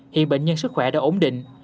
hiện bệnh nhân sức khỏe đã ổn định